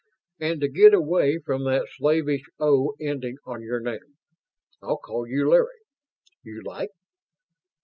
And to get away from that slavish 'o' ending on your name, I'll call you 'Larry'. You like?"